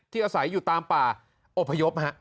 อาศัยอยู่ตามป่าอบพยพ